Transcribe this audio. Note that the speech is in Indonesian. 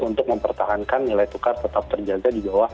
untuk mempertahankan nilai tukar tetap terjaga di bawah